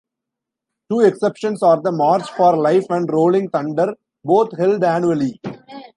Two exceptions are the March for Life and Rolling Thunder, both held annually.